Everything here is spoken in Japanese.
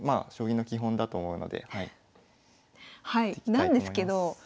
なんですけど稲葉